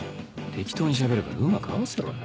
適当に喋るからうまく合わせろよ。